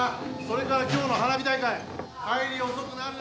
それから今日の花火大会帰り遅くなるなよ！